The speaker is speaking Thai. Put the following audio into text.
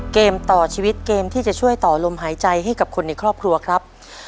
เกมต่อชีวิตเกมที่จะช่วยต่อลมหายใจให้กับคนในครอบครัวครับ